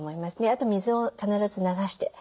あと水を必ず流して。